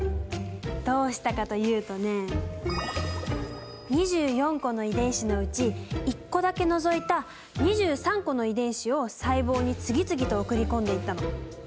どうしたかというとね２４個の遺伝子のうち１個だけ除いた２３個の遺伝子を細胞に次々と送り込んでいったの。